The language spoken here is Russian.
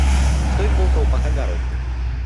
Стоит полколпака гороху.